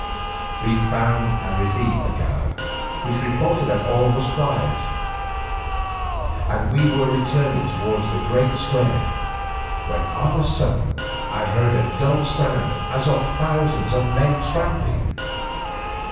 We found and relieved the guard, which reported that all was quiet, and we were returning towards the great square when of a sudden I heard a dull sound as of thousands of men tramping.